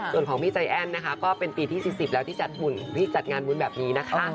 ส่วนของพี่ใจแอ้นนะคะก็เป็นปีที่๔๐แล้วที่จัดงานบุญแบบนี้นะคะ